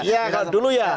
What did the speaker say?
ya kalau dulu ya